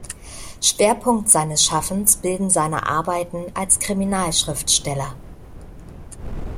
Schwerpunkt seines Schaffens bilden seine Arbeiten als Kriminalschriftsteller.